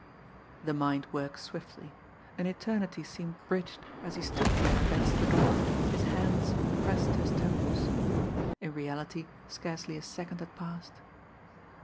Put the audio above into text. The mind works swiftly. An eternity seemed bridged as he stood there against the door, his hands pressed to his temples in reality scarcely a second had passed.